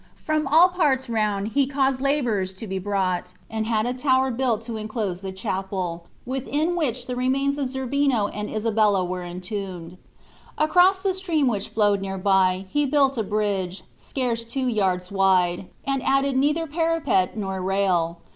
From all parts round he caused laborers to be brought, and had a tower built to enclose the chapel, within which the remains of Zerbino and Isabella were entombed. Across the stream which flowed near by he built a bridge, scarce two yards wide, and added neither parapet nor rail.